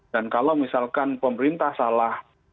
dan kalau misalkan pemerintah salah